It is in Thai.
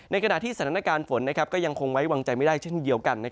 ขณะที่สถานการณ์ฝนก็ยังคงไว้วางใจไม่ได้เช่นเดียวกัน